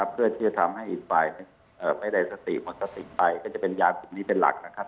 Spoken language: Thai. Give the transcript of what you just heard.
เพื่อที่จะทำให้อีกฝ่ายไม่ได้สติหมดสติไปก็จะเป็นยากลุ่มนี้เป็นหลักนะครับ